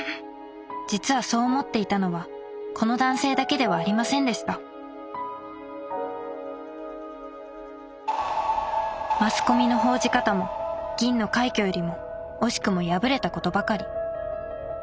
実はそう思っていたのはこの男性だけではありませんでしたマスコミの報じ方も銀の快挙よりも惜しくも敗れたことばかり。